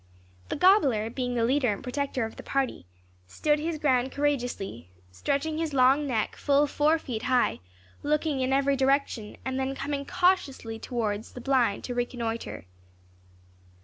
The gobbler, being the leader and protector of the party, stood his ground courageously, stretching his long neck full four feet high, looking in every direction, and then coming cautiously towards the blind to reconnoitre.